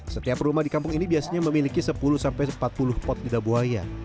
setiap rumah di kampung ini biasanya memiliki sepuluh empat puluh pot lidah buaya